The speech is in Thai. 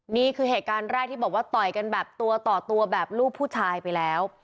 นี่คือเหตุการณ์แรกที่บอกว่าต่อยกันแบบตัวต่อตัวแบบลูกผู้ชายไปแล้ว